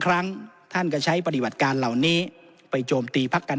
ครั้งท่านก็ใช้ปฏิบัติการเหล่านี้ไปโจมตีพักกัน